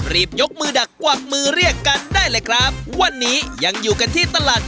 รีบยกมือดักกวักมือเรียกกันได้เลยครับวันนี้ยังอยู่กันที่ตลาด